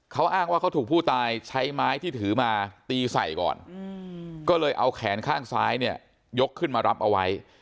เขาอ้างว่าเขาถูกผู้ตายใช้ไม้ที่ถือมาตีใส่ก่อนก็เลยเอาแขนข้างซ้ายเนี่ยยกขึ้นมารับเอาไว้